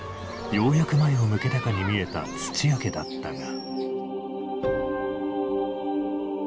ようやく前を向けたかに見えた土屋家だったが。